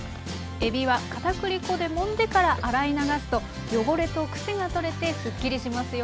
えびはかたくり粉でもんでから洗い流すと汚れとくせが取れてすっきりしますよ。